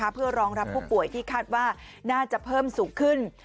เพื่อรองรับผู้ป่วยที่คาดว่าน่าจะเพิ่มสูงขึ้น